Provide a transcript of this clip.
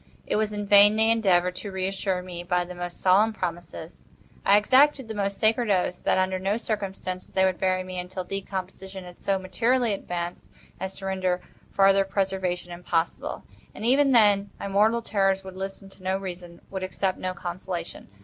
It was in vain they endeavored to reassure me by the most solemn promises. I exacted the most sacred oaths, that under no circumstances they would bury me until decomposition had so materially advanced as to render farther preservation impossible. And, even then, my mortal terrors would listen to no reason—would accept no consolation.